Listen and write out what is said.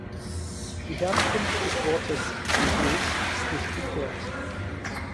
Die Herkunft des Wortes "Pamphlet" ist nicht geklärt.